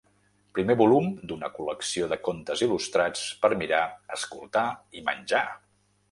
Primer volum d’una col·lecció de contes il·lustrats, per mirar, escoltar i menjar!